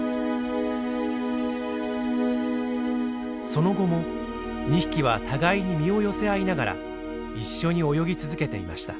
その後も２匹は互いに身を寄せ合いながら一緒に泳ぎ続けていました。